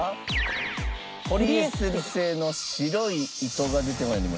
ポリエステル製の白い糸が出てまいりました。